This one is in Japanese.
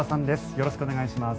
よろしくお願いします。